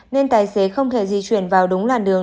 nên tài xế không thể di chuyển vào đúng làn đường